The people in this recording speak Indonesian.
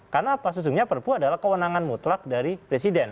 kenapa sesungguhnya perpu adalah kewenangan mutlak dari presiden